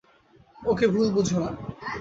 ওকে ভুল বুঝো না।